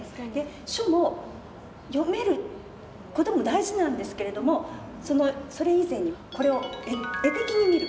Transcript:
書も読める事も大事なんですけれどもそれ以前にこれを絵的に見る。